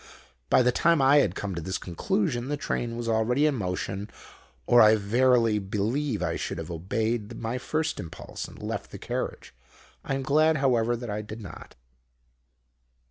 By the time I had come to this conclusion the train was already in motion, or I verily believe I should have obeyed my first impulse and left the carriage. I am glad, however, that I did not.